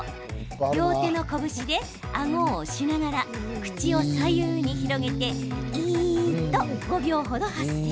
両手の拳であごを押しながら口を左右に広げて「イ」と５秒程、発声。